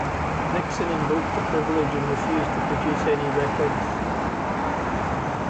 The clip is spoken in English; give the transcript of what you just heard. Nixon invoked the privilege and refused to produce any records.